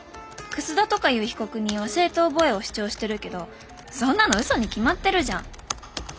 「楠田とかいう被告人は正当防衛を主張してるけどそんなの嘘に決まってるじゃん。